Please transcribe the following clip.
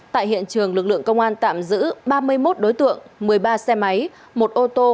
tại hiện trường lực lượng công an tạm giữ ba mươi một đối tượng một mươi ba xe máy một ô tô